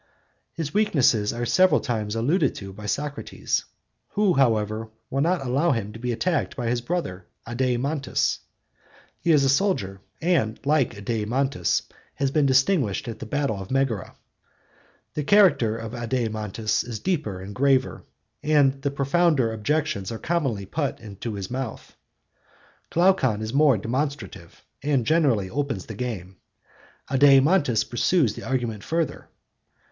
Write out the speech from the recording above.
His weaknesses are several times alluded to by Socrates, who, however, will not allow him to be attacked by his brother Adeimantus. He is a soldier, and, like Adeimantus, has been distinguished at the battle of Megara (anno 456?)...The character of Adeimantus is deeper and graver, and the profounder objections are commonly put into his mouth. Glaucon is more demonstrative, and generally opens the game. Adeimantus pursues the argument further.